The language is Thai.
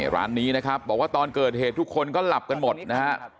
ร้านนี้นะครับบอกว่าตอนเกิดเหตุทุกคนก็หลับกันหมดนะฮะ